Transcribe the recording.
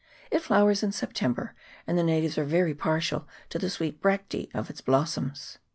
It flowers in September; and the natives are very partial to the sweet bractese of its blossoms.